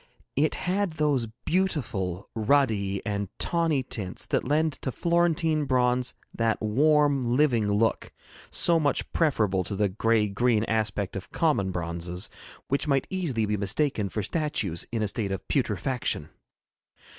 It had those beautiful ruddy and tawny tints that lend to Florentine bronze that warm living look so much preferable to the gray green aspect of common bronzes, which might easily be mistaken for statues in a state of putrefaction.